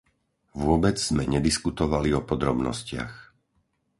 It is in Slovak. Vôbec sme nediskutovali o podrobnostiach.